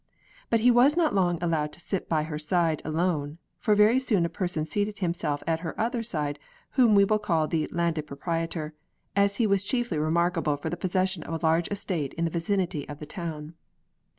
But he was not long allowed to sit by her side alone; for very soon a person seated himself at her other side whom we will call the Landed Proprietor, as he was chiefly remarkable for the possession of a large estate in the vicinity of the town.